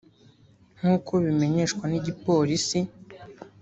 nk'uko bimenyeshwa n'igipolisi